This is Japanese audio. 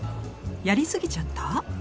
やりすぎちゃった？